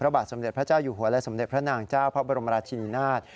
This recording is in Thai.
บาทสมเด็จพระเจ้าอยู่หัวและสมเด็จพระนางเจ้าพระบรมราชินีนาฏ